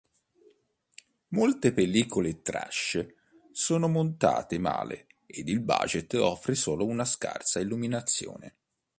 Molte pellicole trash sono montate male ed il budget offre solo una scarsa illuminazione.